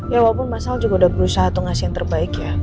ya walaupun masal juga udah berusaha atau ngasih yang terbaik ya